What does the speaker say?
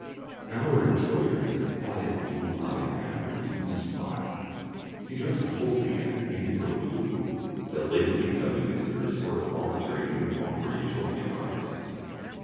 Our employer is a quiet blue eyed man with a humorous smile. He dresses wholly in an indigo blue, that later we come to consider a sort of voluntary uniform for Utopian artists.